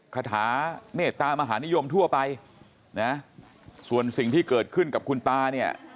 คาถาเมตตามหานิยมทั่วไปนะส่วนสิ่งที่เกิดขึ้นกับคุณตาเนี่ย